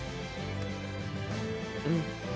うん。